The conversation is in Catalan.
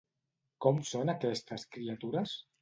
Com són aquestes criatures?